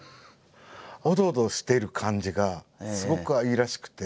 オドオドしてる感じがすごく愛らしくて。